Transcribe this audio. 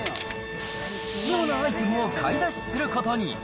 必要なアイテムを買い出しすることに。